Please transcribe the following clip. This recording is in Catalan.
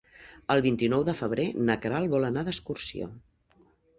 El vint-i-nou de febrer na Queralt vol anar d'excursió.